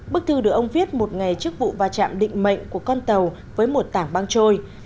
bức thư được ông viết một ngày trước vụ va chạm định mệnh của con tàu với một tảng băng trôi